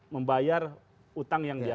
membayar utang yang dia